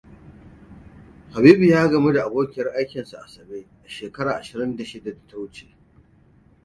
Habibu ya sadu da abokin aikinsa, Asabe, a shekara ashirin da shida.